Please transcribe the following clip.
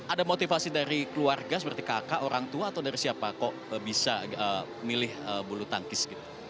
ada motivasi dari keluarga seperti kakak orang tua atau dari siapa kok bisa milih bulu tangkis gitu